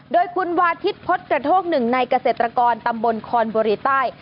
โดยคุณวาทิศพดกระโทกหนึ่งในเกษตรกรตำบลคอนบุรีใต้